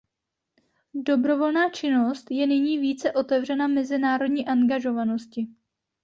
Dobrovolná činnost je nyní více otevřena mezinárodní angažovanosti.